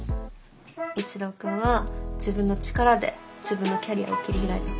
一郎君は自分の力で自分のキャリアを切り開いたの。